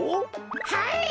はい！